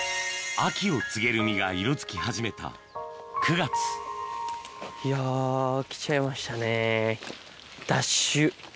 秋を告げる実が色づき始めた９月いや来ちゃいましたね。